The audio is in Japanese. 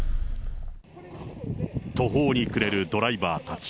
途方に暮れるドライバーたち。